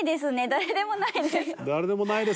誰でもないです。